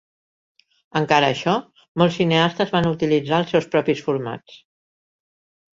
Encara això, molts cineastes van utilitzar els seus propis formats.